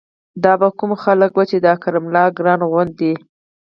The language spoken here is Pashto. دا به کوم خلق وو چې د اکرام الله ګران غوندې